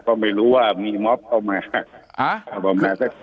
ก็ไม่รู้ว่ามีมอบเข้ามา